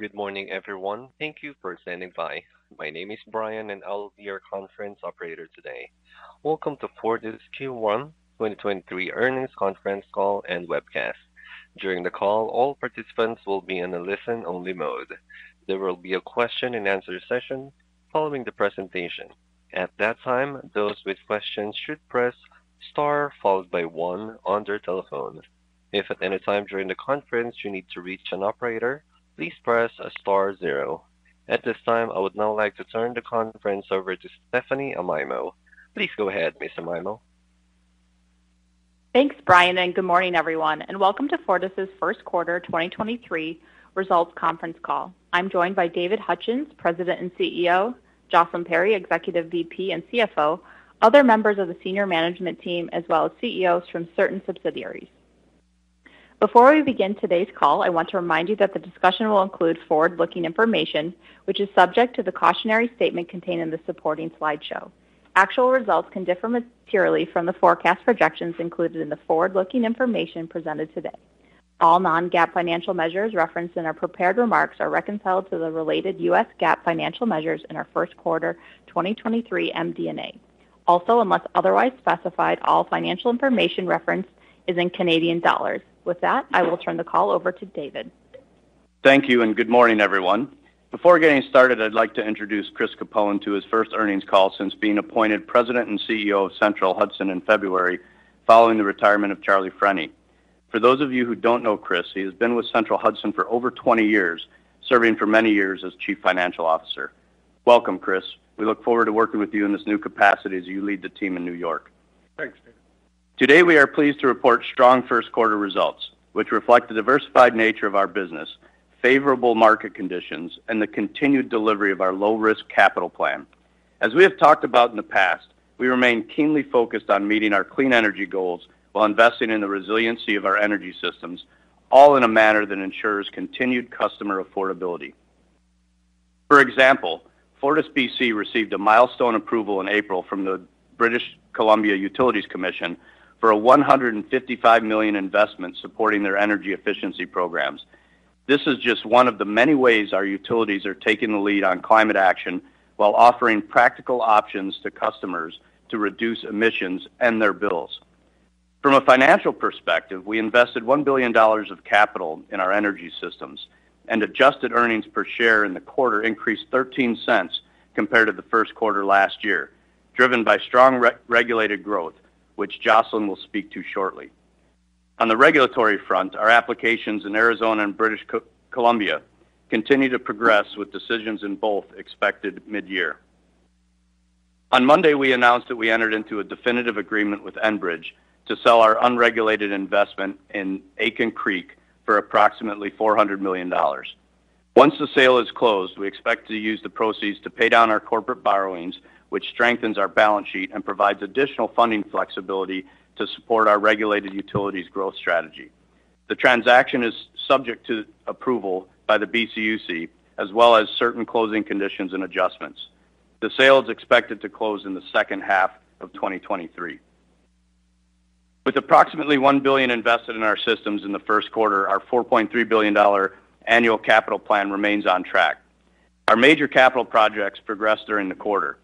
Good morning, everyone. Thank you for standing by. My name is Brian, and I'll be your conference operator today. Welcome to Fortis' Q1 2023 earnings conference call and webcast. During the call, all participants will be in a listen-only mode. There will be a Q&A session following the presentation. At that time, those with questions should press star followed by one on their telephone. If at any time during the conference you need to reach an operator, please press star zero. At this time, I would now like to turn the conference over to Stephanie Amaimo. Please go ahead, Ms. Amaimo. Thanks, Brian, good morning, everyone, and welcome to Fortis' first quarter 2023 results conference call. I'm joined by David Hutchens, President and CEO, Jocelyn Perry, Executive VP and CFO, other members of the senior management team, as well as CEOs from certain subsidiaries. Before we begin today's call, I want to remind you that the discussion will include forward-looking information, which is subject to the cautionary statement contained in the supporting slideshow. Actual results can differ materially from the forecast projections included in the forward-looking information presented today. All non-GAAP financial measures referenced in our prepared remarks are reconciled to the related U.S. GAAP financial measures in our first quarter 2023 MD&A. Unless otherwise specified, all financial information referenced is in Canadian dollars. With that, I will turn the call over to David. Thank you. Good morning, everyone. Before getting started, I'd like to introduce Chris Capone to his first earnings call since being appointed President and CEO of Central Hudson in February following the retirement of Charlie Freni. For those of you who don't know Chris, he has been with Central Hudson for over 20 years, serving for many years as Chief Financial Officer. Welcome, Chris. We look forward to working with you in this new capacity as you lead the team in New York. Thanks, David. Today, we are pleased to report strong first quarter results, which reflect the diversified nature of our business, favorable market conditions, and the continued delivery of our low-risk capital plan. As we have talked about in the past, we remain keenly focused on meeting our clean energy goals while investing in the resiliency of our energy systems, all in a manner that ensures continued customer affordability. For example, FortisBC received a milestone approval in April from the British Columbia Utilities Commission for a 155 million investment supporting their energy efficiency programs. This is just one of the many ways our utilities are taking the lead on climate action while offering practical options to customers to reduce emissions and their bills. From a financial perspective, we invested 1 billion dollars of capital in our energy systems, and adjusted EPS in the quarter increased 0.13 compared to the first quarter last year, driven by strong re-regulated growth, which Jocelyn will speak to shortly. On the regulatory front, our applications in Arizona and British Columbia continue to progress with decisions in both expected mid-year. On Monday, we announced that we entered into a definitive agreement with Enbridge to sell our unregulated investment in Aitken Creek for approximately 400 million dollars. Once the sale is closed, we expect to use the proceeds to pay down our corporate borrowings, which strengthens our balance sheet and provides additional funding flexibility to support our regulated utilities growth strategy. The transaction is subject to approval by the BCUC, as well as certain closing conditions and adjustments. The sale is expected to close in the second half of 2023. With approximately 1 billion invested in our systems in the first quarter, our 4.3 billion dollar annual capital plan remains on track. Our major capital projects progressed during the quarter.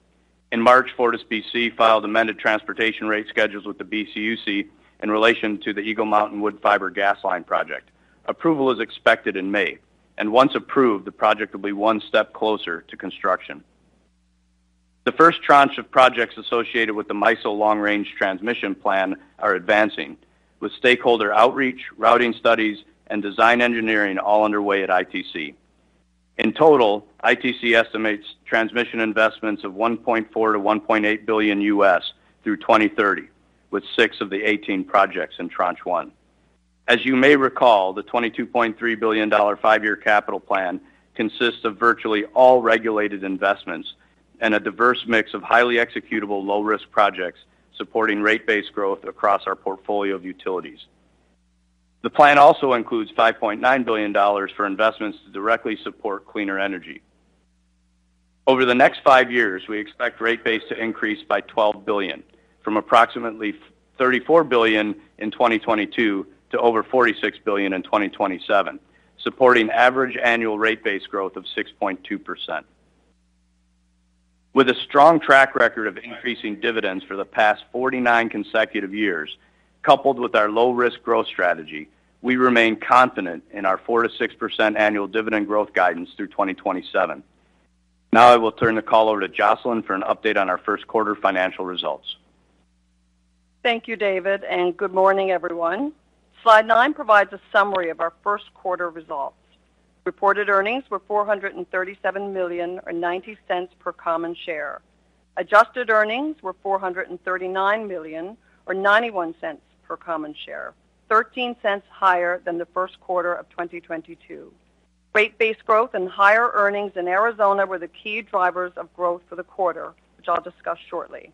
In March, FortisBC filed amended transportation rate schedules with the BCUC in relation to the Eagle Mountain – Woodfibre Gas Pipeline project. Approval is expected in May, and once approved, the project will be one step closer to construction. The first tranche of projects associated with the MISO long-range transmission plan are advancing, with stakeholder outreach, routing studies, and design engineering all underway at ITC. In total, ITC estimates transmission investments of $1.4 billion-$1.8 billion U.S. through 2030, with six of the 18 projects in Tranche One. As you may recall, the 22.3 billion dollar 5-year capital plan consists of virtually all regulated investments and a diverse mix of highly executable low-risk projects supporting rate-based growth across our portfolio of utilities. The plan also includes 5.9 billion dollars for investments to directly support cleaner energy. Over the next five years, we expect rate base to increase by 12 billion, from approximately 34 billion in 2022 to over 46 billion in 2027, supporting average annual rate base growth of 6.2%. With a strong track record of increasing dividends for the past 49 consecutive years, coupled with our low-risk growth strategy, we remain confident in our 4%-6% annual dividend growth guidance through 2027. Now I will turn the call over to Jocelyn for an update on our first quarter financial results. Thank you, David, and good morning, everyone. Slide nine provides a summary of our first quarter results. Reported earnings were 437 million or 0.90 per common share. Adjusted earnings were 439 million or 0.91 per common share, 0.13 higher than the first quarter of 2022. Rate-based growth and higher earnings in Arizona were the key drivers of growth for the quarter, which I'll discuss shortly.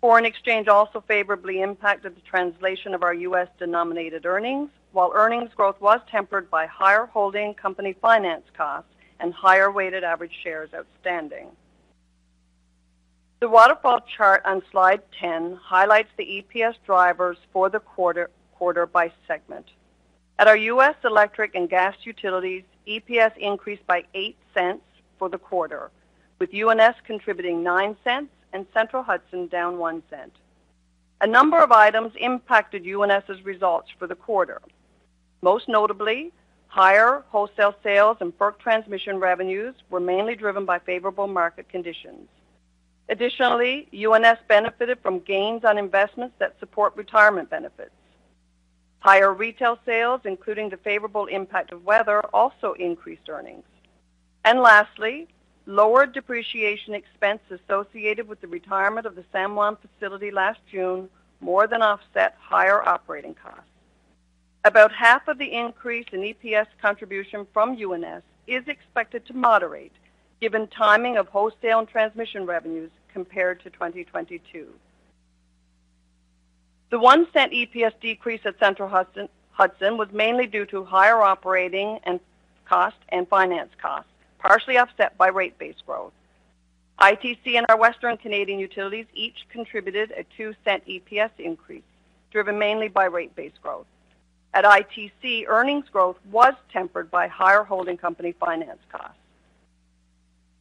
Foreign exchange also favorably impacted the translation of our US-denominated earnings, while earnings growth was tempered by higher holding company finance costs and higher weighted average shares outstanding. The waterfall chart on slide 10 highlights the EPS drivers for the quarter by segment. At our U.S. electric and gas utilities, EPS increased by $0.08 for the quarter, with UNS contributing $0.09 and Central Hudson down $0.01. A number of items impacted UNS's results for the quarter. Most notably, higher wholesale sales and FERC transmission revenues were mainly driven by favorable market conditions. Additionally, UNS benefited from gains on investments that support retirement benefits. Higher retail sales, including the favorable impact of weather, also increased earnings. Lastly, lower depreciation expense associated with the retirement of the San Juan facility last June more than offset higher operating costs. About half of the increase in EPS contribution from UNS is expected to moderate given timing of wholesale and transmission revenues compared to 2022. The 0.01 EPS decrease at Central Hudson was mainly due to higher operating and cost and finance costs, partially offset by rate-based growth. ITC and our Western Canadian utilities each contributed a 0.02 EPS increase, driven mainly by rate-based growth. At ITC, earnings growth was tempered by higher holding company finance costs.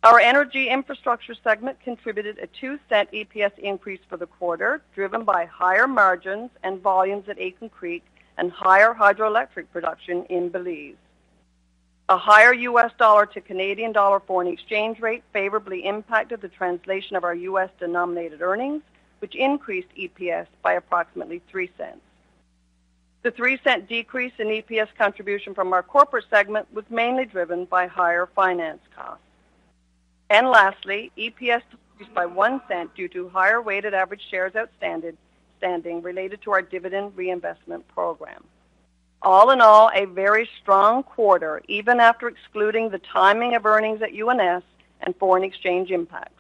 Our energy infrastructure segment contributed a 0.02 EPS increase for the quarter, driven by higher margins and volumes at Aitken Creek and higher hydroelectric production in Belize. A higher U.S. dollar to Canadian dollar foreign exchange rate favorably impacted the translation of our U.S.-denominated earnings, which increased EPS by approximately 0.03. The 0.03 decrease in EPS contribution from our corporate segment was mainly driven by higher finance costs. Lastly, EPS decreased by 0.01 due to higher weighted average shares outstanding related to our Dividend Reinvestment Program. All in all, a very strong quarter, even after excluding the timing of earnings at UNS and foreign exchange impacts.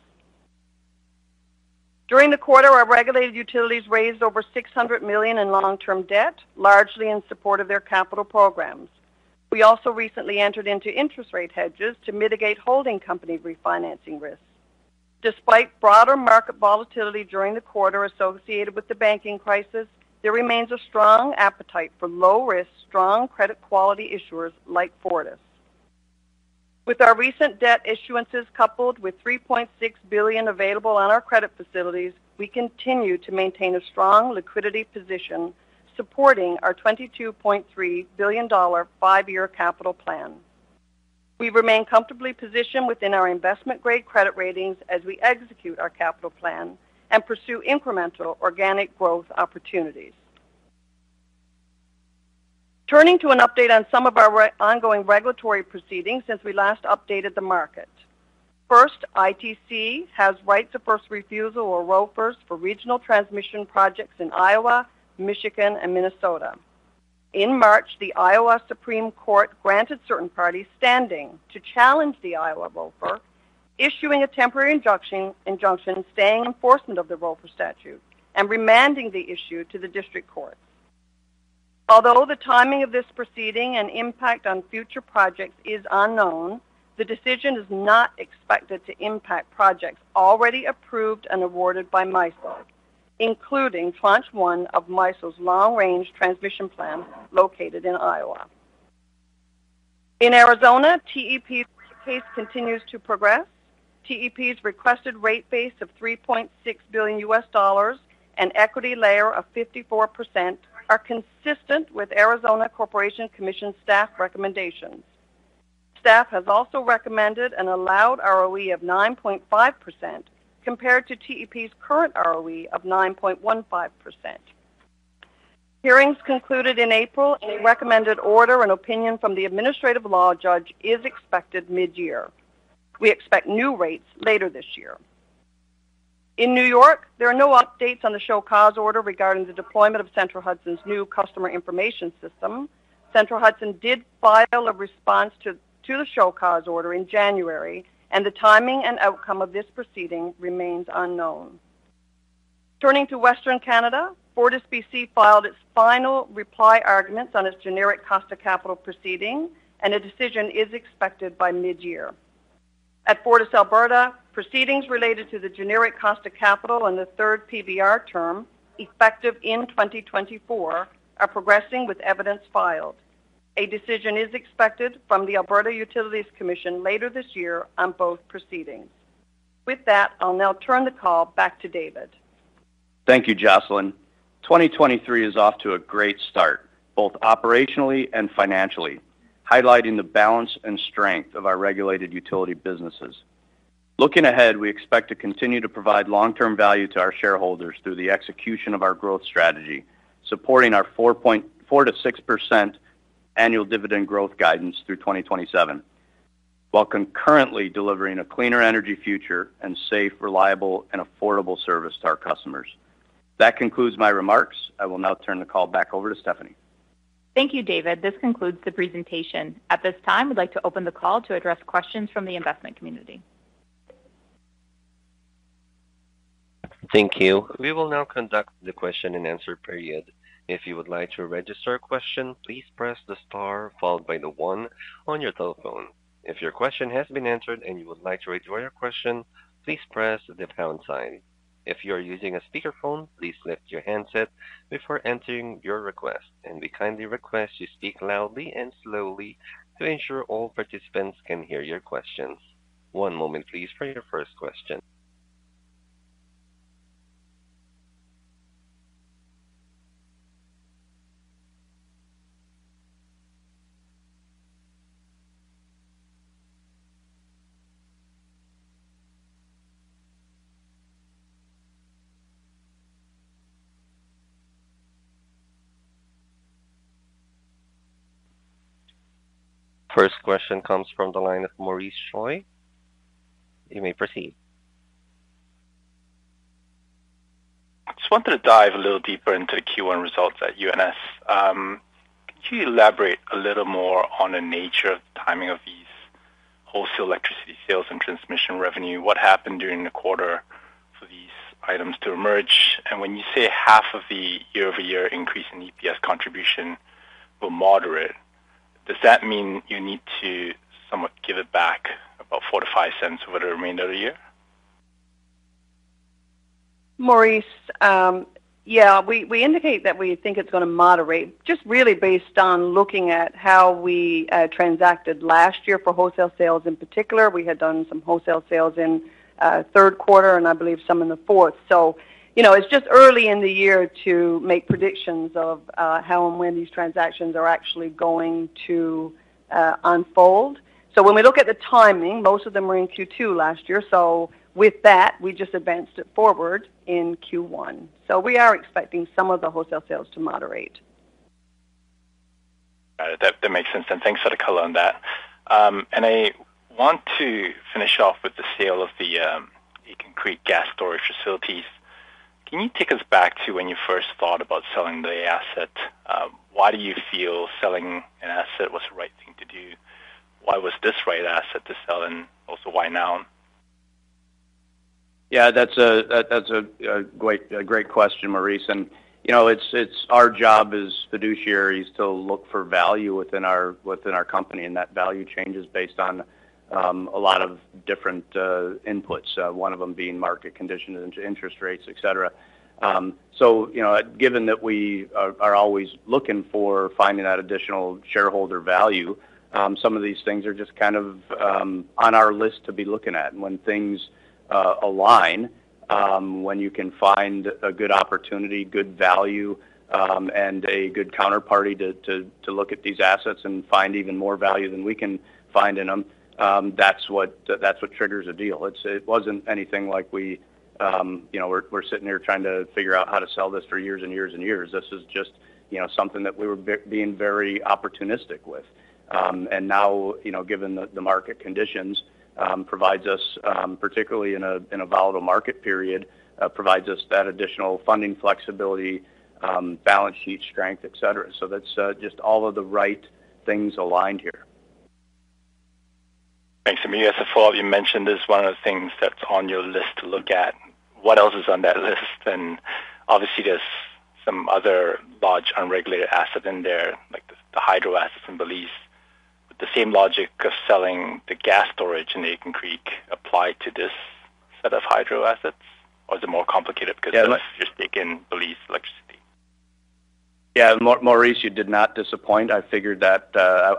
During the quarter, our regulated utilities raised over 600 million in long-term debt, largely in support of their capital programs. We also recently entered into interest rate hedges to mitigate holding company refinancing risks. Despite broader market volatility during the quarter associated with the banking crisis, there remains a strong appetite for low-risk, strong credit quality issuers like Fortis. With our recent debt issuances coupled with 3.6 billion available on our credit facilities, we continue to maintain a strong liquidity position supporting our 22.3 billion dollar five-year capital plan. We remain comfortably positioned within our investment-grade credit ratings as we execute our capital plan and pursue incremental organic growth opportunities. Turning to an update on some of our ongoing regulatory proceedings since we last updated the market. ITC has right to first refusal or ROFR for regional transmission projects in Iowa, Michigan and Minnesota. In March, the Iowa Supreme Court granted certain parties standing to challenge the Iowa ROFR, issuing a temporary injunction, staying enforcement of the ROFR statute and remanding the issue to the district court. The timing of this proceeding and impact on future projects is unknown, the decision is not expected to impact projects already approved and awarded by MISO, including tranche one of MISO's long-range transmission plan located in Iowa. In Arizona, TEP's case continues to progress. TEP's requested rate base of $3.6 billion and equity layer of 54% are consistent with Arizona Corporation Commission staff recommendations. Staff has also recommended an allowed ROE of 9.5% compared to TEP's current ROE of 9.15%. Hearings concluded in April, a recommended order and opinion from the administrative law judge is expected mid-year. We expect new rates later this year. In New York, there are no updates on the show cause order regarding the deployment of Central Hudson's new customer information system. Central Hudson did file a response to the show cause order in January, the timing and outcome of this proceeding remains unknown. Turning to Western Canada, FortisBC filed its final reply arguments on its generic cost of capital proceeding, a decision is expected by mid-year. At FortisAlberta, proceedings related to the generic cost of capital and the third PBR term effective in 2024 are progressing with evidence filed. A decision is expected from the Alberta Utilities Commission later this year on both proceedings. With that, I'll now turn the call back to David. Thank you, Jocelyn. 2023 is off to a great start, both operationally and financially, highlighting the balance and strength of our regulated utility businesses. Looking ahead, we expect to continue to provide long-term value to our shareholders through the execution of our growth strategy, supporting our 4%-6% annual dividend growth guidance through 2027, while concurrently delivering a cleaner energy future and safe, reliable and affordable service to our customers. That concludes my remarks. I will now turn the call back over to Stephanie. Thank you, David. This concludes the presentation. At this time, we'd like to open the call to address questions from the investment community. Thank you. We will now conduct the Q&A period. If you would like to register a question, please press the star followed by the one on your telephone. If your question has been answered and you would like to withdraw your question, please press the pound sign. If you are using a speakerphone, please lift your handset before entering your request, and we kindly request you speak loudly and slowly to ensure all participants can hear your questions. One moment please for your first question. First question comes from the line of Maurice Choy. You may proceed. Just wanted to dive a little deeper into the Q1 results at UNS. Could you elaborate a little more on the nature of the timing of these wholesale electricity sales and transmission revenue? What happened during the quarter for these items to emerge? When you say half of the year-over-year increase in EPS contribution will moderate, does that mean you need to somewhat give it back about $0.04-$0.05 over the remainder of the year? Maurice, yeah, we indicate that we think it's gonna moderate just really based on looking at how we transacted last year for wholesale sales in particular. We had done some wholesale sales in third quarter, and I believe some in the fourth. You know, it's just early in the year to make predictions of how and when these transactions are actually going to unfold. When we look at the timing, most of them were in Q2 last year. With that, we just advanced it forward in Q1. We are expecting some of the wholesale sales to moderate. Got it. That makes sense then. Thanks for the color on that. I want to finish off with the sale of the Aitken Creek gas storage facilities. Can you take us back to when you first thought about selling the asset? Why do you feel selling an asset was the right thing to do? Why was this right asset to sell, and also why now? Yeah, that's a great question, Maurice. You know, it's our job as fiduciaries to look for value within our company, and that value changes based on a lot of different inputs. One of them being market conditions and interest rates, et cetera. So, you know, given that we are always looking for finding that additional shareholder value, some of these things are just kind of on our list to be looking at. When things align, when you can find a good opportunity, good value, and a good counterparty to look at these assets and find even more value than we can find in them, that's what triggers a deal. It's, it wasn't anything like we, you know, we're sitting here trying to figure out how to sell this for years and years and years. This is just, you know, something that we were being very opportunistic with. Now, you know, given the market conditions, provides us, particularly in a volatile market period, provides us that additional funding flexibility, balance sheet strength, et cetera. That's just all of the right things aligned here. Thanks. I mean, as a follow-up, you mentioned this is one of the things that's on your list to look at. What else is on that list? Obviously there's some other large unregulated asset in there, like the hydro assets in Belize. Would the same logic of selling the gas storage in Aitken Creek apply to this set of hydro assets, or is it more complicated because- Yeah. it's at stake in Belize Electricity? Yeah. Maurice, you did not disappoint. I figured that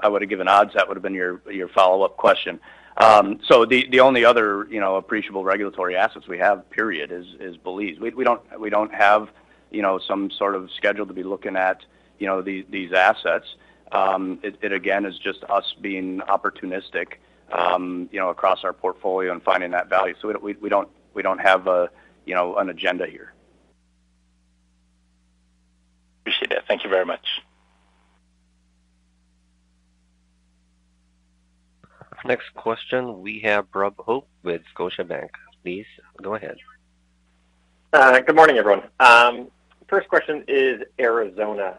I would've given odds that would've been your follow-up question. The only other, you know, appreciable regulatory assets we have, period, is Belize. We don't have, you know, some sort of schedule to be looking at, you know, these assets. It again, is just us being opportunistic, you know, across our portfolio and finding that value. We don't have a, you know, an agenda here. Appreciate that. Thank you very much. Next question. We have Rob Hope with Scotiabank. Please go ahead. Good morning, everyone. First question is Arizona.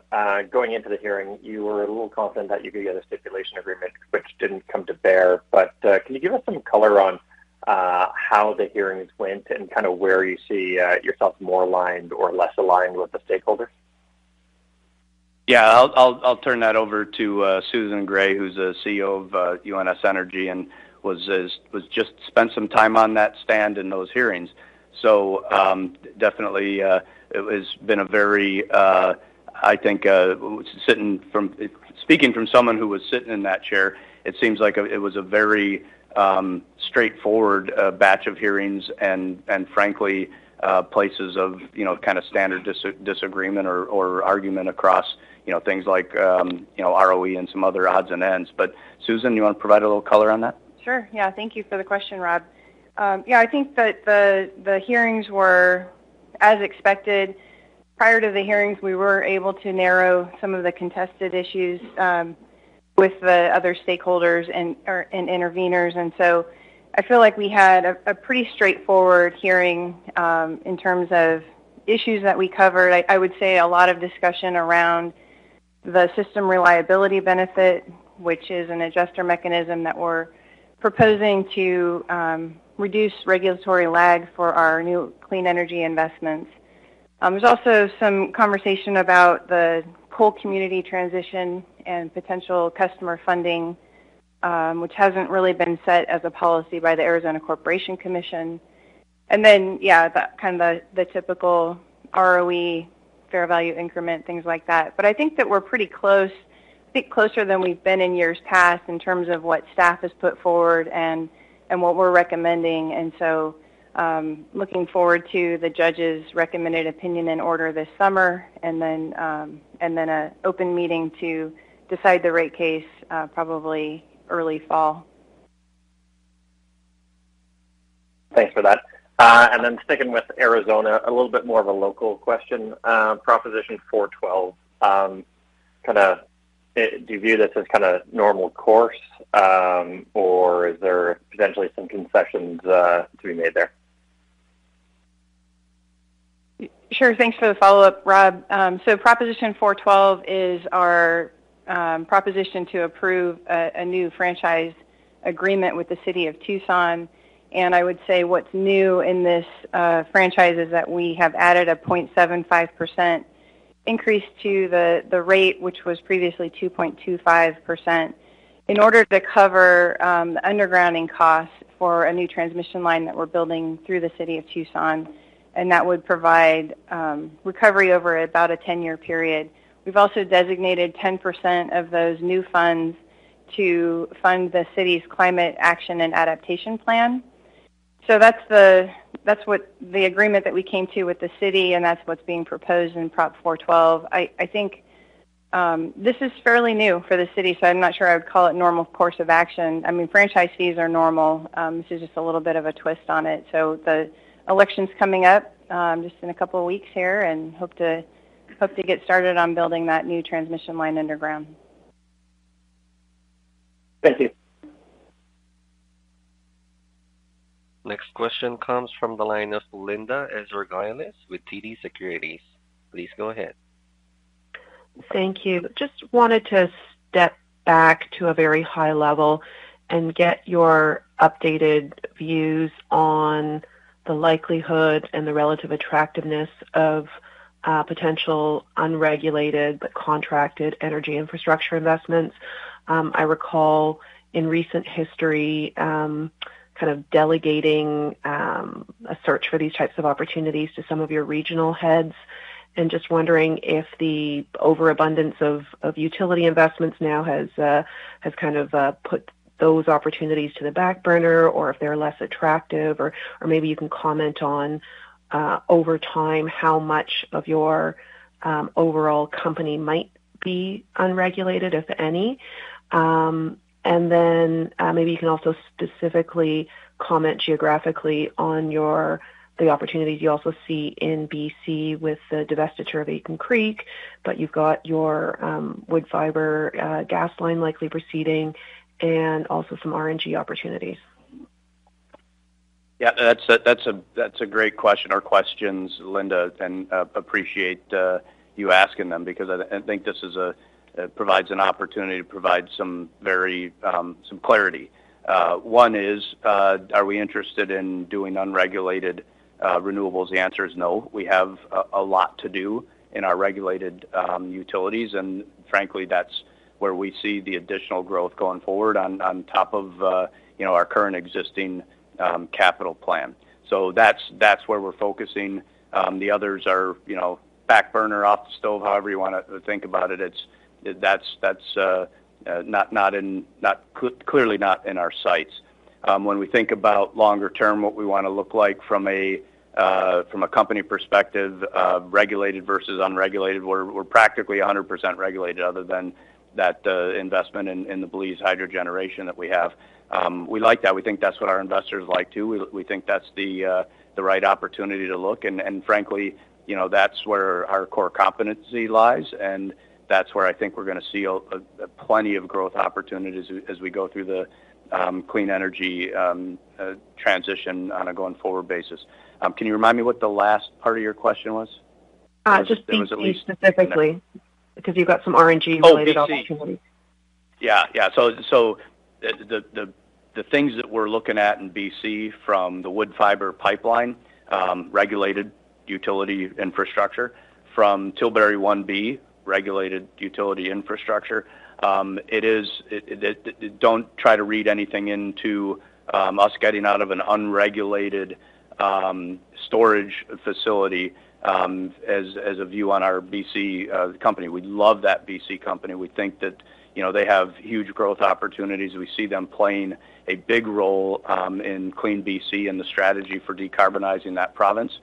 Going into the hearing, you were a little confident that you could get a stipulation agreement which didn't come to bear. Can you give us some color on how the hearings went and kind of where you see yourself more aligned or less aligned with the stakeholder? Yeah. I'll turn that over to Susan Gray, who's the CEO of UNS Energy and was just spent some time on that stand in those hearings. Definitely, it has been a very, I think, speaking from someone who was sitting in that chair, it seems like it was a very straight-forward batch of hearings, and frankly, places of, you know, kind of standard disagreement or argument across, you know, things like ROE, and some other odds and ends. But Susan, you want to provide a little color on that? Sure. Yeah. Thank you for the question, Rob. Yeah. I think that the hearings were as expected. Prior to the hearings, we were able to narrow some of the contested issues with the other stakeholders and or interveners. I feel like we had a pretty straightforward hearing in terms of issues that we covered. I would say a lot of discussion around The System Reliability Benefit, which is an adjuster mechanism that we're proposing to reduce regulatory lag for our new clean energy investments. There's also some conversation about the coal community transition and potential customer funding, which hasn't really been set as a policy by the Arizona Corporation Commission. Yeah, the kind of the typical ROE fair value increment, things like that. I think that we're pretty close. I think closer than we've been in years past in terms of what staff has put forward and what we're recommending. Looking forward to the judge's recommended opinion and order this summer, and then a open meeting to decide the rate case, probably early fall. Thanks for that. Sticking with Arizona, a little bit more of a local question. Proposition 412, kinda, do you view this as kind of normal course, or is there potentially some concessions, to be made there? Sure. Thanks for the follow-up, Rob. Proposition 412 is our proposition to approve a new franchise agreement with the city of Tucson. I would say what's new in this franchise is that we have added a 0.75% increase to the rate, which was previously 2.25%, in order to cover the undergrounding costs for a new transmission line that we're building through the city of Tucson, and that would provide recovery over about a 10-year period. We've also designated 10% of those new funds to fund the city's climate action and adaptation plan. That's what the agreement that we came to with the city, and that's what's being proposed in Prop 412. I think this is fairly new for the city, so I'm not sure I would call it normal course of action. I mean, franchise fees are normal. This is just a little bit of a twist on it. The election's coming up just in a couple of weeks here and hope to get started on building that new transmission line underground. Thank you. Next question comes from the line of Linda Ezergailis with TD Securities. Please go ahead. Thank you. Just wanted to step back to a very high level and get your updated views on the likelihood and the relative attractiveness of potential unregulated but contracted energy infrastructure investments. I recall in recent history, kind of delegating a search for these types of opportunities to some of your regional heads. Just wondering if the overabundance of utility investments now has kind of put those opportunities to the back burner or if they're less attractive or maybe you can comment on over time, how much of your overall company might be unregulated, if any? Maybe you can also specifically comment geographically on the opportunities you also see in BC with the divestiture of Aitken Creek, but you've got your Woodfibre gas line likely proceeding and also some RNG opportunities. Yeah. That's a great question or questions, Linda. Appreciate you asking them because I think this provides an opportunity to provide some very, some clarity. One is, are we interested in doing unregulated renewables? The answer is no. We have a lot to do in our regulated utilities, frankly, that's where we see the additional growth going forward on top of, you know, our current existing capital plan. That's where we're focusing. The others are, you know, back burner, off the stove, however you wanna think about it. That's not clearly not in our sights. When we think about longer term, what we wanna look like from a, from a company perspective, regulated versus unregulated, we're practically 100% regulated other than that, investment in the Belize hydro generation that we have. We like that. We think that's what our investors like too. We, we think that's the right opportunity to look. Frankly, you know, that's where our core competency lies, and that's where I think we're gonna see a plenty of growth opportunities as we go through the clean energy transition on a going forward basis. Can you remind me what the last part of your question was? Just BC specifically, because you've got some RNG related opportunities. Oh, BC. Yeah, yeah. The things that we're looking at in BC from the Woodfibre pipeline, regulated utility infrastructure. From Tilbury 1B, regulated utility infrastructure. It is don't try to read anything into us getting out of an unregulated storage facility as a view on our BC company. We love that BC company. We think that, you know, they have huge growth opportunities. We see them playing a big role in CleanBC and the strategy for decarbonizing that province.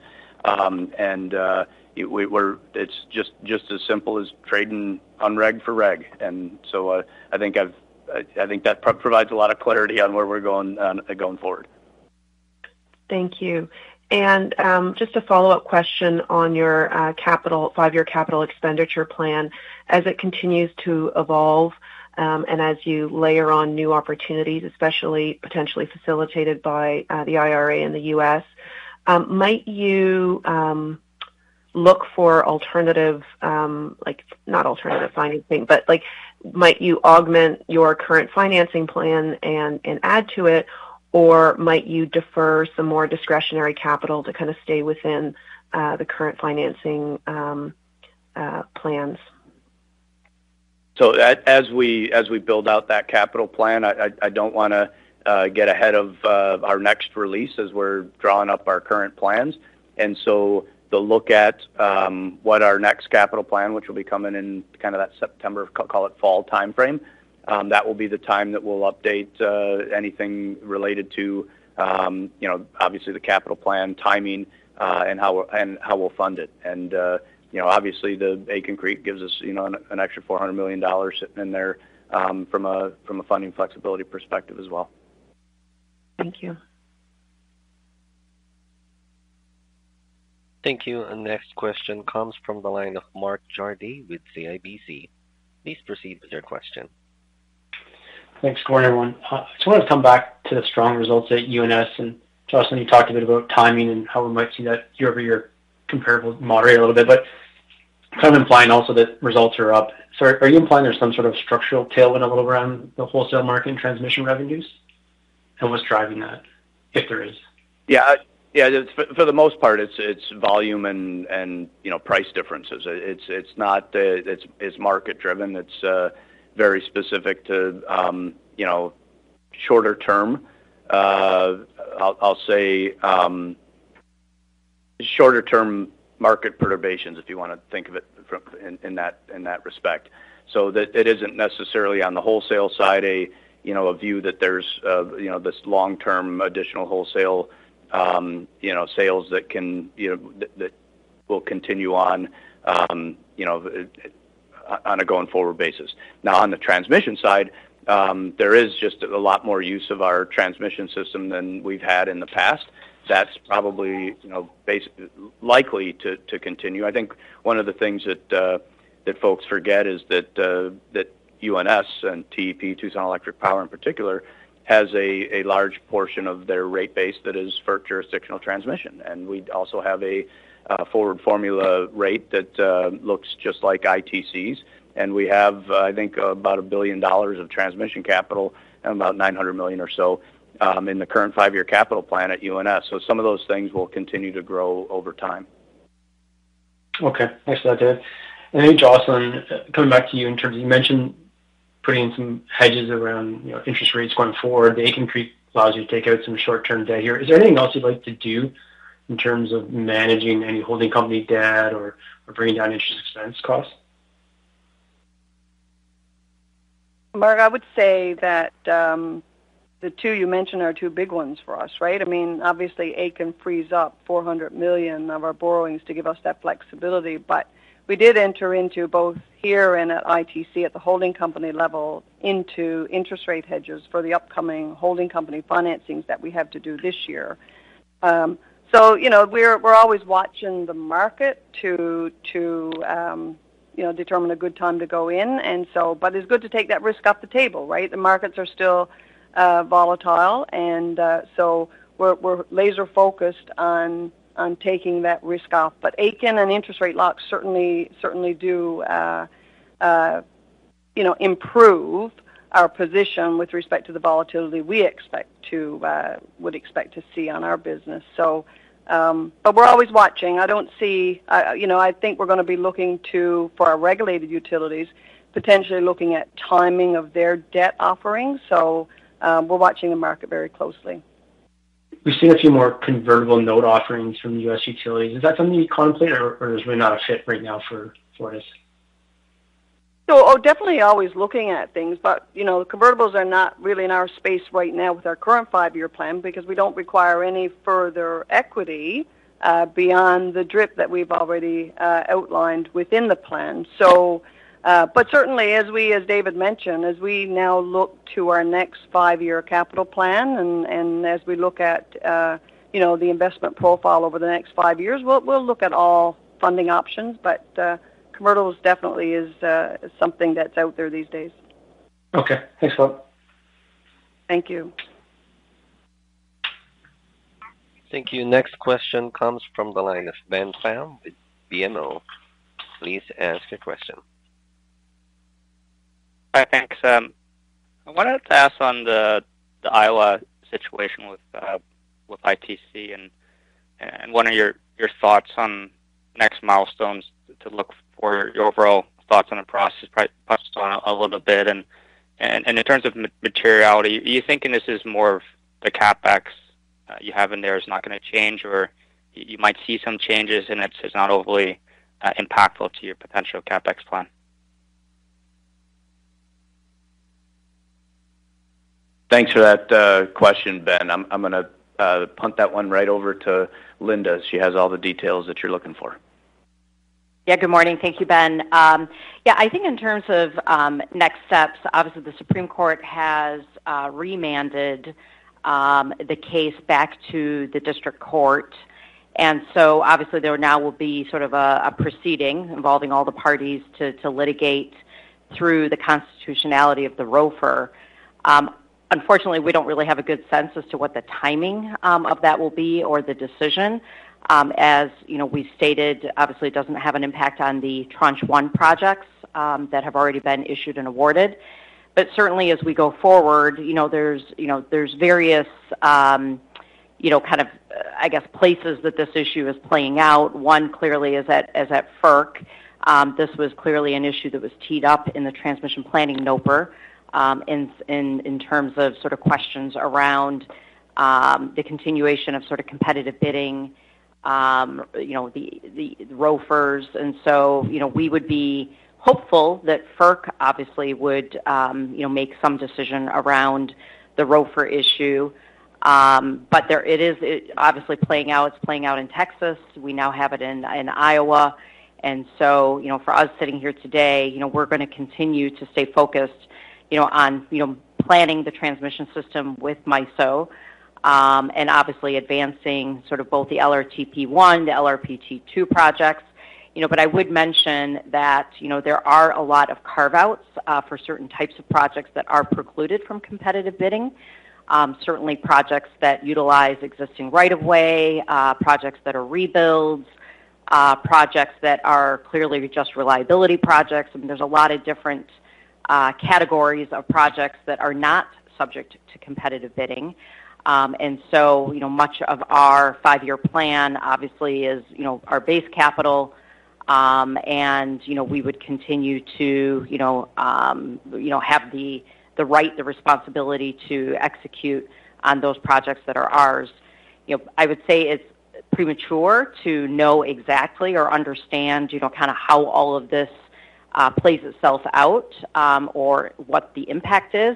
We're it's just as simple as trading unreg for reg. I think that provides a lot of clarity on where we're going forward. Thank you. Just a follow-up question on your 5-year capital expenditure plan. As it continues to evolve, and as you layer on new opportunities, especially potentially facilitated by the IRA in the U.S. Might you look for alternative, not alternative financing, but might you augment your current financing plan and add to it? Or might you defer some more discretionary capital to stay within the current financing plans? As we build out that capital plan, I don't want to get ahead of our next release as we're drawing up our current plans. The look at what our next capital plan, which will be coming in kind of that September, call it fall time frame, that will be the time that we'll update anything related to, you know, obviously the capital plan timing, and how we'll fund it. you know, obviously the Aitken Creek gives us, you know, an extra 400 million dollars sitting in there from a funding flexibility perspective as well. Thank you. Thank you. Next question comes from the line of Mark Jarvi with CIBC. Please proceed with your question. Thanks. Good morning, everyone. just wanted to come back to the strong results at UNS. Jocelyn, you talked a bit about timing and how we might see that year-over-year comparable moderate a little bit, but kind of implying also that results are up. Are you implying there's some sort of structural tailwind a little around the wholesale market and transmission revenues? What's driving that, if there is? Yeah. Yeah. For the most part, it's volume and, you know, price differences. It's not the. It's market-driven. It's very specific to, you know, shorter term. I'll say, shorter-term market perturbations, if you want to think of it in that respect. It isn't necessarily on the wholesale side a, you know, a view that there's, you know, this long-term additional wholesale, you know, sales that can, you know, that will continue on, you know, on a going-forward basis. On the transmission side, there is just a lot more use of our transmission system than we've had in the past. That's probably, you know, likely to continue. I think one of the things that folks forget is that UNS and TEP, Tucson Electric Power in particular, has a large portion of their rate base that is for jurisdictional transmission. We also have a forward-looking formula rate that looks just like ITC's. We have, I think about $1 billion of transmission capital and about $900 million or so in the current 5-year capital plan at UNS. Some of those things will continue to grow over time. Okay. Thanks for that, David. Jocelyn, coming back to you in terms of you mentioned putting some hedges around, you know, interest rates going forward. The Aitken Creek allows you to take out some short-term debt here. Is there anything else you'd like to do in terms of managing any holding company debt or bringing down interest expense costs? Mark, I would say that the two you mentioned are two big ones for us, right? I mean, obviously, Aitken frees up $400 million of our borrowings to give us that flexibility. We did enter into both here and at ITC at the holding company level into interest rate hedges for the upcoming holding company financings that we have to do this year. You know, we're always watching the market to, you know, determine a good time to go in. It's good to take that risk off the table, right? The markets are still volatile, and so we're laser-focused on taking that risk off. Aitken and interest rate locks certainly do, you know, improve our position with respect to the volatility we would expect to see on our business. We're always watching. I, you know, I think we're going to be looking to, for our regulated utilities, potentially looking at timing of their debt offerings. We're watching the market very closely. We've seen a few more convertible note offerings from U.S. utilities. Is that something you contemplate or is it not a fit right now for Fortis? Definitely always looking at things. You know, convertibles are not really in our space right now with our current 5-year plan because we don't require any further equity beyond the DRIP that we've already outlined within the plan. Certainly, as David mentioned, as we now look to our next five-year capital plan and as we look at, you know, the investment profile over the next five years, we'll look at all funding options. Convertibles definitely is something that's out there these days. Okay. Thanks a lot. Thank you. Thank you. Next question comes from the line of Ben Pham with BMO. Please ask your question. Hi. Thanks. I wanted to ask on the Iowa situation with ITC and what are your thoughts on next milestones to look for your overall thoughts on the process? Probably touched on a little bit. In terms of materiality, are you thinking this is more of the CapEx you have in there is not going to change or you might see some changes and it's just not overly impactful to your potential CapEx plan? Thanks for that question, Ben. I'm going to punt that one right over to Linda. She has all the details that you're looking for. Good morning. Thank you, Ben. I think in terms of next steps, obviously the Supreme Court has remanded the case back to the district court. So obviously there now will be sort of a proceeding involving all the parties to litigate through the constitutionality of the ROFR. Unfortunately, we don't really have a good sense as to what the timing of that will be or the decision. As, you know, we stated, obviously, it doesn't have an impact on the tranche 1 projects that have already been issued and awarded. Certainly, as we go forward, you know, there's various, kind of, I guess, places that this issue is playing out. One clearly is at, is at FERC. This was clearly an issue that was teed up in the transmission planning NOPR, in, in terms of sort of questions around, the continuation of sort of competitive bidding, you know, the ROFRs. You know, we would be hopeful that FERC obviously would, you know, make some decision around the ROFR issue. But there it is, it obviously playing out. It's playing out in Texas. We now have it in Iowa. You know, for us sitting here today, you know, we're gonna continue to stay focused, you know, on, you know, planning the transmission system with MISO, and obviously advancing sort of both the LRTP one, the LRTP two projects. You know, I would mention that, you know, there are a lot of carve-outs for certain types of projects that are precluded from competitive bidding. Certainly projects that utilize existing right of way, projects that are rebuilds, projects that are clearly just reliability projects. I mean, there's a lot of different categories of projects that are not subject to competitive bidding. You know, much of our 5-year plan obviously is, you know, our base capital, and, you know, we would continue to, you know, have the right, the responsibility to execute on those projects that are ours. You know, I would say it's premature to know exactly or understand, you know, kinda how all of this plays itself out, or what the impact is.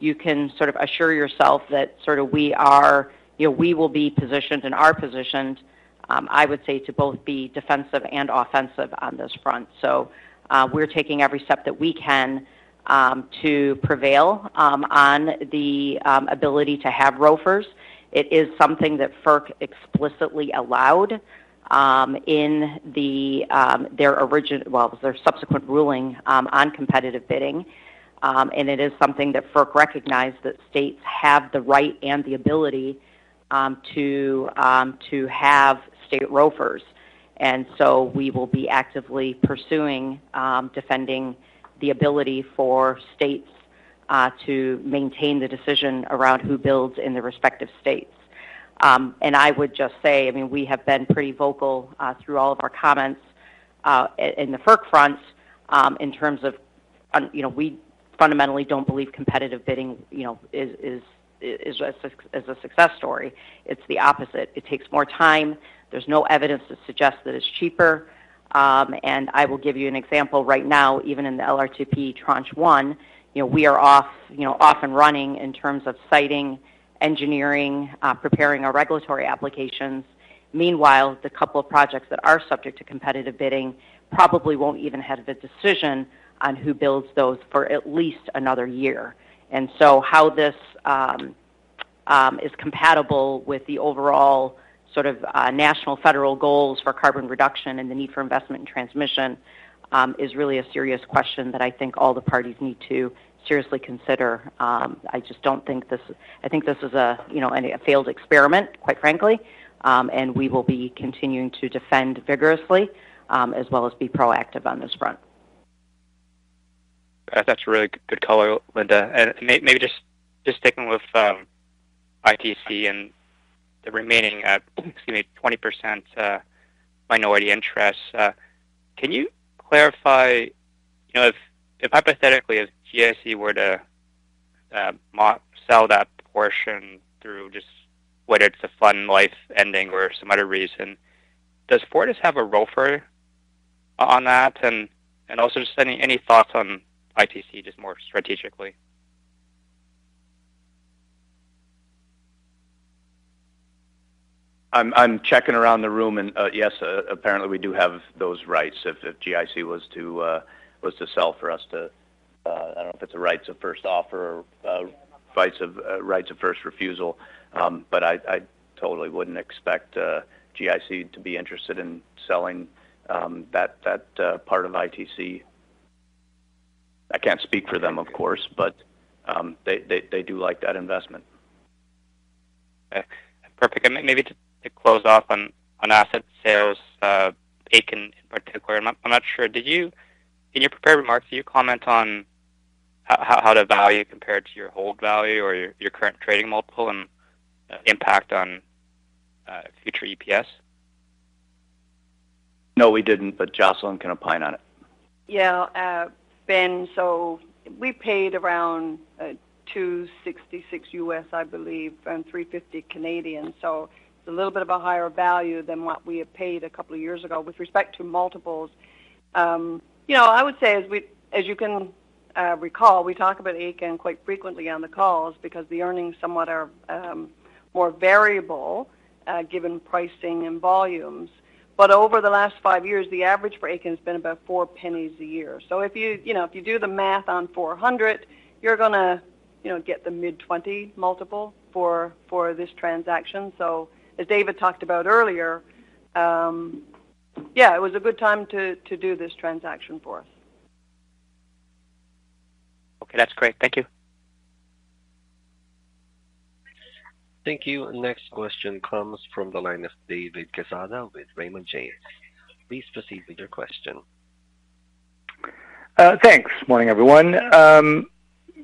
You can sort of assure yourself that sorta we are, you know, we will be positioned and are positioned, I would say, to both be defensive and offensive on this front. We're taking every step that we can to prevail on the ability to have ROFRs. It is something that FERC explicitly allowed in the well, their subsequent ruling on competitive bidding. And it is something that FERC recognized that states have the right and the ability to have state ROFRs. We will be actively pursuing defending the ability for states to maintain the decision around who builds in the respective states. I mean, we have been pretty vocal through all of our comments in the FERC front, in terms of you know, we fundamentally don't believe competitive bidding, you know, is a success story. It's the opposite. It takes more time. There's no evidence to suggest that it's cheaper. I will give you an example right now, even in the LRTP tranche one, you know, we are off, you know, off and running in terms of siting, engineering, preparing our regulatory applications. Meanwhile, the couple of projects that are subject to competitive bidding probably won't even have the decision on who builds those for at least another year. How this is compatible with the overall sort of national federal goals for carbon reduction and the need for investment in transmission is really a serious question that I think all the parties need to seriously consider. I just don't think this is a, you know, a failed experiment, quite frankly. We will be continuing to defend vigorously, as well as be proactive on this front. That's really good color, Linda. Maybe just sticking with ITC and the remaining, excuse me, 20% minority interest, can you clarify, you know, if hypothetically, if GIC were to sell that portion through just whether it's a fund life ending or some other reason, does Fortis have a ROFR on that? Also just any thoughts on ITC, just more strategically? I'm checking around the room and yes, apparently we do have those rights. If GIC was to sell for us to, I don't know if it's a rights of first offer or rights of first refusal. I totally wouldn't expect GIC to be interested in selling that part of ITC. I can't speak for them, of course, but they do like that investment. Okay. Perfect. Maybe to close off on asset sales, Aitken in particular. I'm not sure. In your prepared remarks, did you comment on how to value compared to your hold value or your current trading multiple and impact on future EPS? We didn't, but Jocelyn can opine on it. Yeah, Ben, we paid around $266 U.S., I believe, and 350. It's a little bit of a higher value than what we had paid a couple of years ago. With respect to multiples, you know, I would say, as you can recall, we talk about Aitken quite frequently on the calls because the earnings somewhat are, more variable, given pricing and volumes. Over the last five years, the average for Aitken's been about 0.04 a year. If you know, if you do the math on 400, you're gonna, you know, get the mid-20 multiple for this transaction. As David talked about earlier. It was a good time to do this transaction for us. Okay, that's great. Thank you. Thank you. Next question comes from the line of David Quezada with Raymond James. Please proceed with your question. Thanks. Morning, everyone.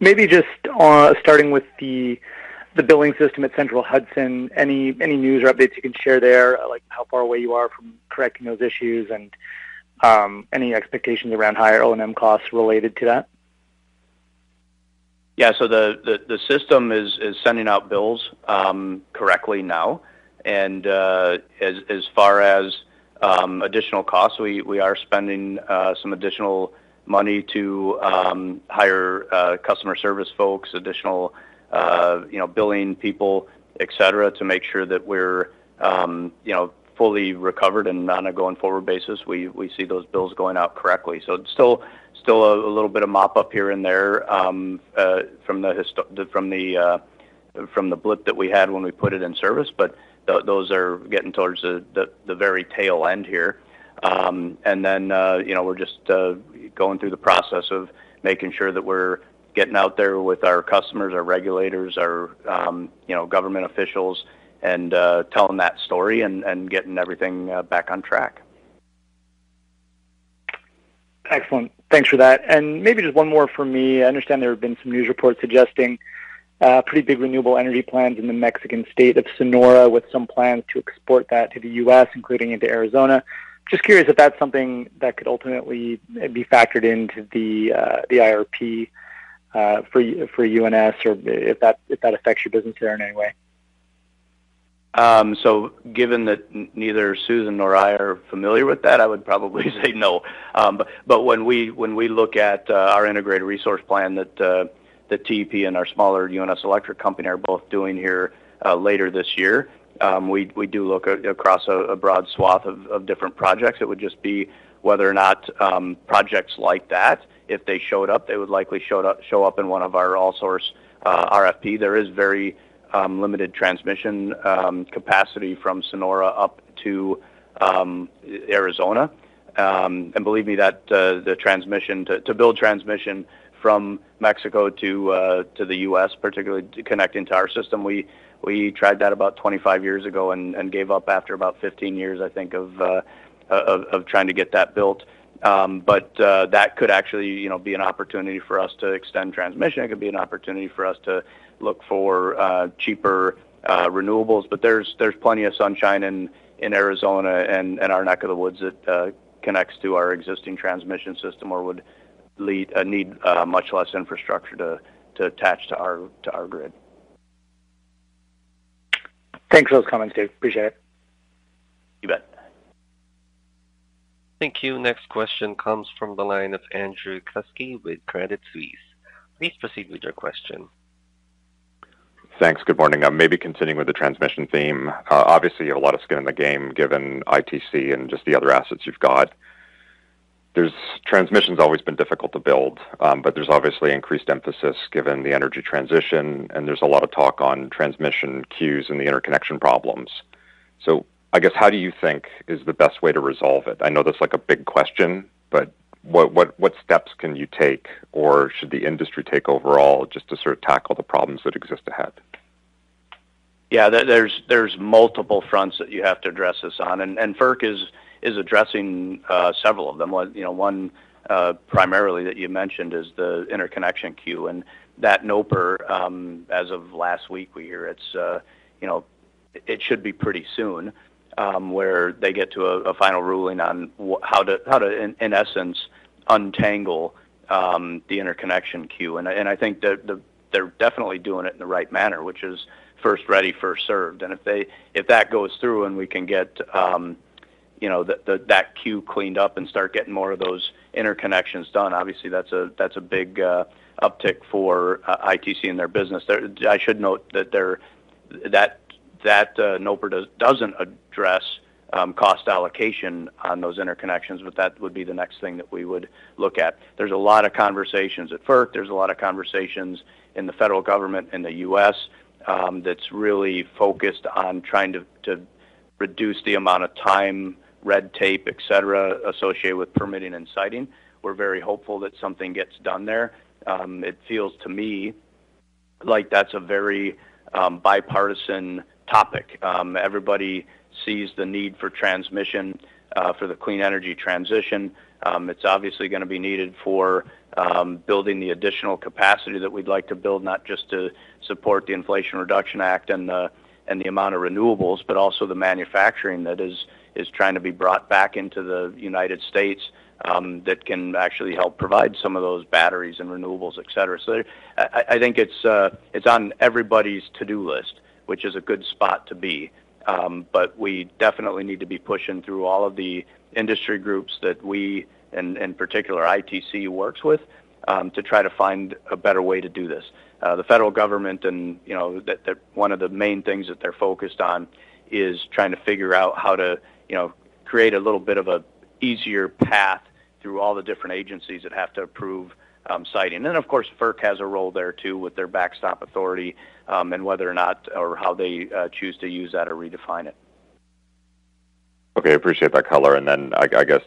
Maybe just on starting with the billing system at Central Hudson, any news or updates you can share there, like how far away you are from correcting those issues and any expectations around higher O&M costs related to that? Yeah. The system is sending out bills correctly now. As far as additional costs, we are spending some additional money to hire customer service folks, additional, you know, billing people, et cetera, to make sure that we're, you know, fully recovered and on a going-forward basis, we see those bills going out correctly. Still a little bit of mop up here and there from the blip that we had when we put it in service, but those are getting towards the very tail end here. You know, we're just going through the process of making sure that we're getting out there with our customers, our regulators, our, you know, government officials and telling that story and getting everything back on track. Excellent. Thanks for that. Maybe just one more from me. I understand there have been some news reports suggesting, pretty big renewable energy plans in the Mexican state of Sonora with some plans to export that to the U.S., including into Arizona. Just curious if that's something that could ultimately be factored into the IRP for UNS or if that affects your business there in any way. Given that neither Susan nor I are familiar with that, I would probably say no. When we look at our integrated resource plan that the TEP and our smaller UNS Electric company are both doing here later this year, we do look across a broad swath of different projects. It would just be whether or not projects like that, if they showed up, they would likely show up in one of our all source RFP. There is very limited transmission capacity from Sonora up to Arizona. Believe me that to build transmission from Mexico to the U.S., particularly to connect into our system, we tried that about 25 years ago and gave up after about 15 years, I think, of trying to get that built. That could actually, you know, be an opportunity for us to extend transmission. It could be an opportunity for us to look for cheaper renewables. There's plenty of sunshine in Arizona and our neck of the woods that connects to our existing transmission system or would need much less infrastructure to attach to our grid. Thanks for those comments, Dave. Appreciate it. You bet. Thank you. Next question comes from the line of Andrew Kuske with Credit Suisse. Please proceed with your question. Thanks. Good morning. Maybe continuing with the transmission theme. Obviously, you have a lot of skin in the game given ITC and just the other assets you've got. Transmission's always been difficult to build, but there's obviously increased emphasis given the energy transition, and there's a lot of talk on transmission queues and the interconnection problems. I guess how do you think is the best way to resolve it? I know that's like a big question, but what steps can you take or should the industry take overall just to sort of tackle the problems that exist ahead? Yeah. There's multiple fronts that you have to address this on. FERC is addressing several of them. One, you know, one primarily that you mentioned is the interconnection queue. That NOPR, as of last week, we hear it's, you know, it should be pretty soon, where they get to a final ruling on how to, in essence, untangle the interconnection queue. I think that they're definitely doing it in the right manner, which is first ready, first served. If that goes through and we can get, you know, that queue cleaned up and start getting more of those interconnections done, obviously that's a big uptick for ITC and their business. I should note that NOPR doesn't address cost allocation on those interconnections. That would be the next thing that we would look at. There's a lot of conversations at FERC. There's a lot of conversations in the federal government in the U.S. that's really focused on trying to reduce the amount of time, red tape, et cetera, associated with permitting and siting. We're very hopeful that something gets done there. It feels to me like that's a very bipartisan topic. Everybody sees the need for transmission for the clean energy transition. It's obviously gonna be needed for building the additional capacity that we'd like to build, not just to support the Inflation Reduction Act and the amount of renewables, but also the manufacturing that is trying to be brought back into the United States, that can actually help provide some of those batteries and renewables, et cetera. I, I think it's on everybody's to-do list, which is a good spot to be. We definitely need to be pushing through all of the industry groups that we, and particular ITC works with, to try to find a better way to do this. The federal government and, you know, one of the main things that they're focused on is trying to figure out how to, you know, create a little bit of an easier path through all the different agencies that have to approve, siting. Of course, FERC has a role there too, with their backstop authority, and whether or not or how they choose to use that or redefine it. Okay. Appreciate that color. I guess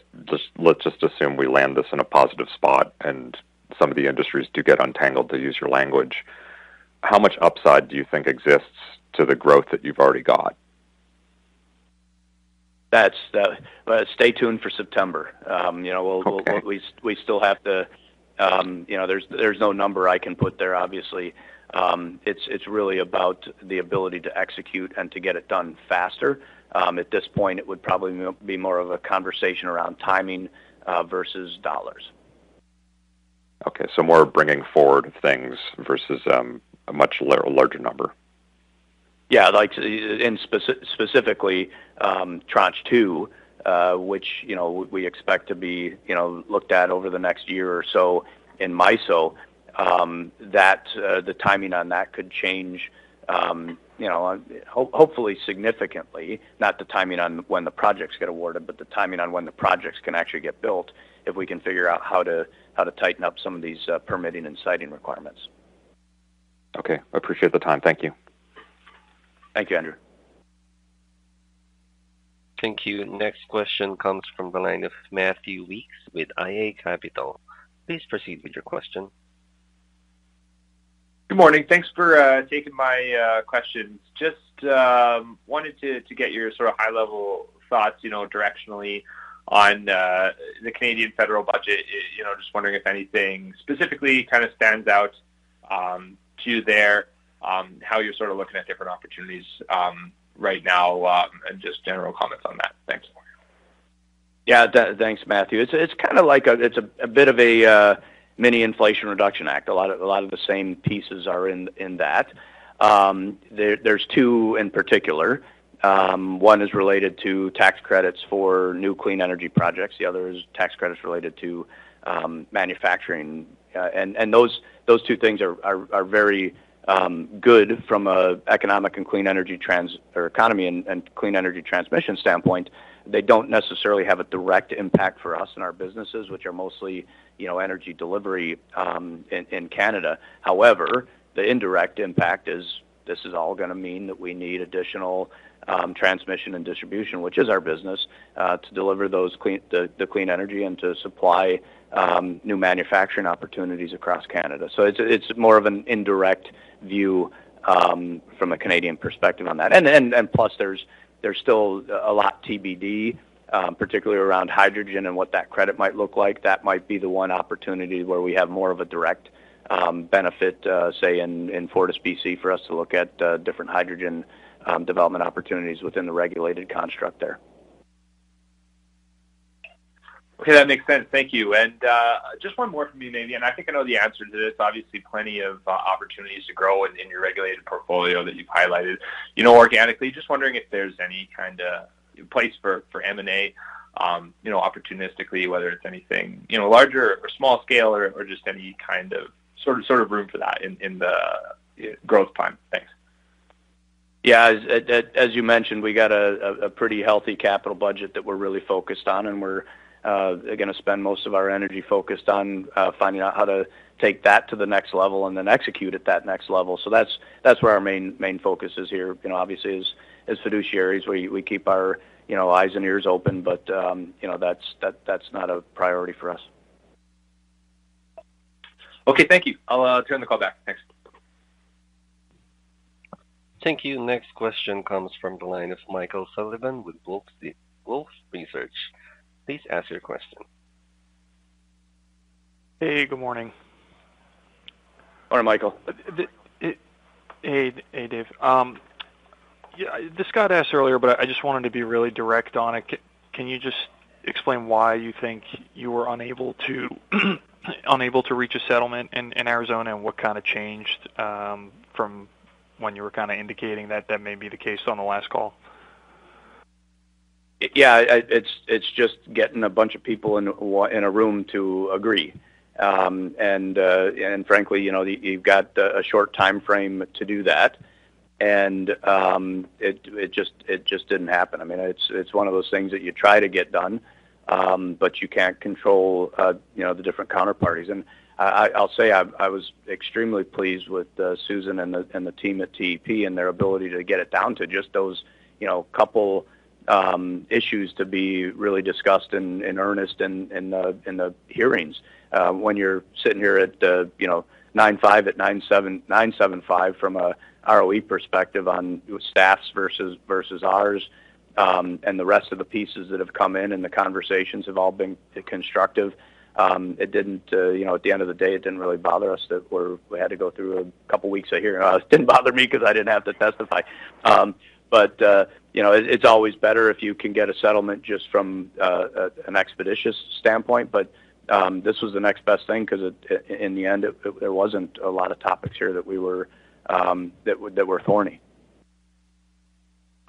let's just assume we land this in a positive spot and some of the industries do get untangled, to use your language. How much upside do you think exists to the growth that you've already got? That's stay tuned for September. you know. Okay. We still have to, you know, there's no number I can put there, obviously. It's really about the ability to execute and to get it done faster. At this point, it would probably be more of a conversation around timing versus dollars. More bringing forward things versus a much larger number. Like, in specifically, Tranche 2, which, you know, we expect to be, you know, looked at over the next year or so in MISO, that the timing on that could change, you know, hopefully significantly, not the timing on when the projects get awarded, but the timing on when the projects can actually get built if we can figure out how to, how to tighten up some of these, permitting and siting requirements. Okay. Appreciate the time. Thank you. Thank you, Andrew. Thank you. Next question comes from the line of Matthew Weekes with iA Capital. Please proceed with your question. Good morning. Thanks for taking my questions. Just wanted to get your sort of high-level thoughts, you know, directionally on the Canadian federal budget. You know, just wondering if anything specifically kind of stands out to you there, how you're sort of looking at different opportunities right now, and just general comments on that? Thanks. Yeah. Thanks, Matthew. It's a bit of a mini Inflation Reduction Act. A lot of the same pieces are in that. There's two in particular. One is related to tax credits for new clean energy projects. The other is tax credits related to manufacturing. And those two things are very good from an economic and clean energy or economy and clean energy transmission standpoint. They don't necessarily have a direct impact for us and our businesses, which are mostly, you know, energy delivery, in Canada. However, the indirect impact is this is all gonna mean that we need additional transmission and distribution, which is our business, to deliver the clean energy and to supply new manufacturing opportunities across Canada. It's, it's more of an indirect view from a Canadian perspective on that. Plus there's still a lot TBD, particularly around hydrogen and what that credit might look like. That might be the one opportunity where we have more of a direct benefit, say in FortisBC for us to look at different hydrogen development opportunities within the regulated construct there. Okay. That makes sense. Thank you. Just one more from me, maybe, and I think I know the answer to this. Obviously, plenty of opportunities to grow in your regulated portfolio that you've highlighted, you know, organically. Just wondering if there's any kind of place for M&A, you know, opportunistically, whether it's anything, you know, larger or small scale or just any kind of sort of room for that in the growth plan. Thanks. Yeah. As you mentioned, we got a pretty healthy capital budget that we're really focused on, and we're gonna spend most of our energy focused on finding out how to take that to the next level and then execute at that next level. That's where our main focus is here. You know, obviously, as fiduciaries, we keep our, you know, eyes and ears open, but, you know, that's not a priority for us. Okay. Thank you. I'll turn the call back. Thanks. Thank you. Next question comes from the line of Michael Sullivan with Wolfe Research. Please ask your question. Hey, good morning. Morning, Michael. Hey Dave. Yeah, this got asked earlier, but I just wanted to be really direct on it. Can you just explain why you think you were unable to reach a settlement in Arizona, and what kind of changed from when you were kind of indicating that that may be the case on the last call? Yeah. It's just getting a bunch of people in a room to agree. Frankly, you know, you've got a short timeframe to do that. It just didn't happen. I mean, it's one of those things that you try to get done, but you can't control, you know, the different counterparties. I'll say I was extremely pleased with Susan and the team at TEP and their ability to get it down to just those, you know, couple issues to be really discussed in earnest in the hearings. When you're sitting here at, you know, 9.5% at 9.7%, 9.75% from a ROE perspective on staff's versus ours, the rest of the pieces that have come in, and the conversations have all been constructive. It didn't, you know, at the end of the day, it didn't really bother us that we had to go through a couple weeks of hearing. It didn't bother me because I didn't have to testify. You know, it's always better if you can get a settlement just from an expeditious standpoint. This was the next best thing because in the end, it wasn't a lot of topics here that we were thorny.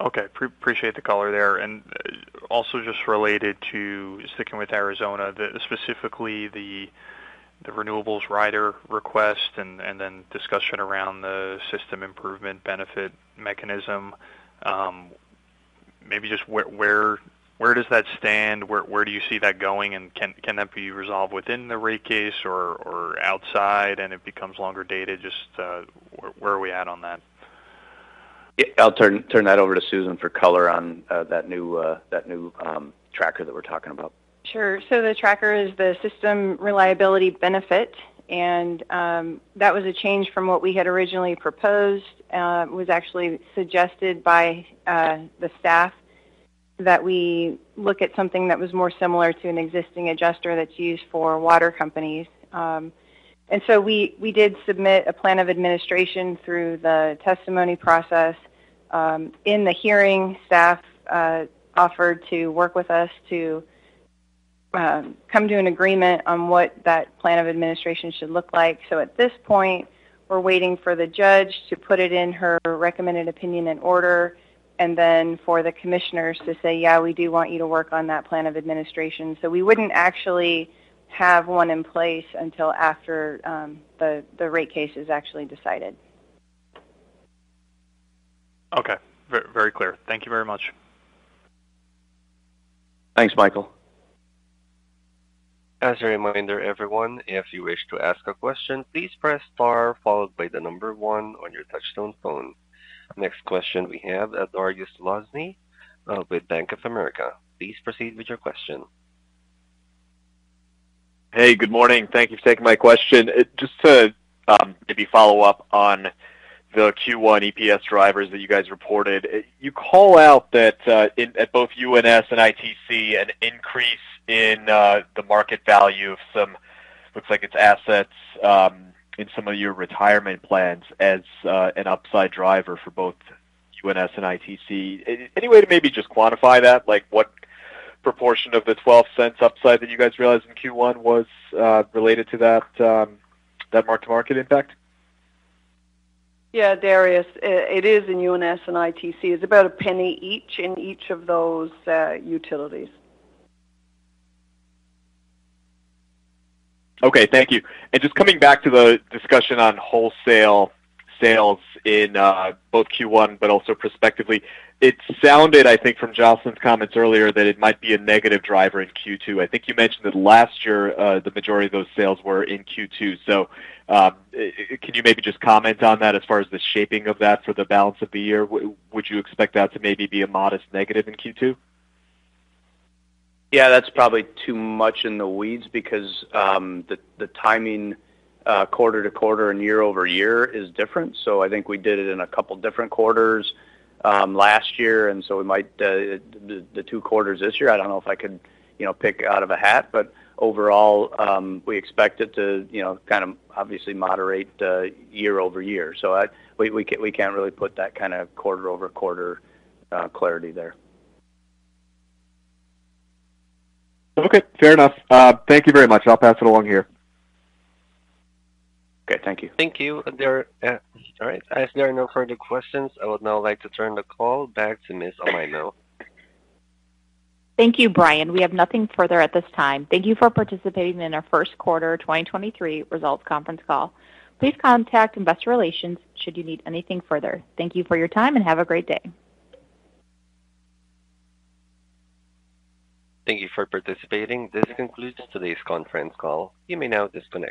Okay. Appreciate the color there. Also just related to sticking with Arizona, specifically the renewables rider request and then discussion around the system improvement benefit mechanism. Maybe just where, where does that stand? Where, where do you see that going? Can that be resolved within the rate case or outside and it becomes longer dated? Just, where are we at on that? Yeah. I'll turn that over to Susan for color on that new that new tracker that we're talking about. Sure. The tracker is the System Reliability Benefit, and that was a change from what we had originally proposed. It was actually suggested by the staff that we look at something that was more similar to an existing adjuster that's used for water companies. We did submit a plan of administration through the testimony process. In the hearing, staff offered to work with us to come to an agreement on what that plan of administration should look like. At this point, we're waiting for the judge to put it in her recommended opinion and order, and then for the commissioners to say, "Yeah, we do want you to work on that plan of administration." We wouldn't actually have one in place until after the rate case is actually decided. Okay. very clear. Thank you very much. Thanks, Michael. As a reminder, everyone, if you wish to ask a question, please press star followed by the number one on your touchtone phone. Next question we have Dariusz Lozny with Bank of America. Please proceed with your question. Hey, good morning. Thank you for taking my question. Just to maybe follow up on the Q1 EPS drivers that you guys reported. You call out that at both UNS and ITC, an increase in the market value of some, looks like it's assets, in some of your retirement plans as an upside driver for both UNS and ITC. Any way to maybe just quantify that? Like, what proportion of the $0.12 upside that you guys realized in Q1 was related to that mark-to-market impact? Dariusz. It is in UNS and ITC. It's about $0.01 each in each of those utilities. Okay. Thank you. Just coming back to the discussion on wholesale sales in both Q1 but also prospectively, it sounded, I think from Jocelyn's comments earlier, that it might be a negative driver in Q2. I think you mentioned that last year, the majority of those sales were in Q2. Can you maybe just comment on that as far as the shaping of that for the balance of the year? Would you expect that to maybe be a modest negative in Q2? Yeah, that's probably too much in the weeds because the timing, quarter-to-quarter and year-over-year is different. I think we did it in a couple different quarters last year, we might the two quarters this year. I don't know if I could, you know, pick out of a hat. Overall, we expect it to, you know, kind of obviously moderate, year-over-year. We can't really put that kind of quarter-over-quarter clarity there. Okay. Fair enough. Thank you very much. I'll pass it along here. Okay. Thank you. Thank you. There. All right. If there are no further questions, I would now like to turn the call back to Ms. Armijo. Thank you, Brian. We have nothing further at this time. Thank you for participating in our first quarter 2023 results conference call. Please contact investor relations should you need anything further. Thank you for your time, and have a great day. Thank you for participating. This concludes today's conference call. You may now disconnect.